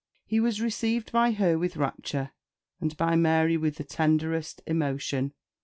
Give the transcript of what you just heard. He was received by her with rapture, and by Mary with the tenderest emotion.